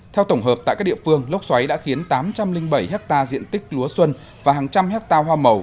theo tổng hợp tại các địa phương lốc xoáy đã khiến tám trăm linh bảy hectare diện tích lúa xuân và hàng trăm hectare hoa màu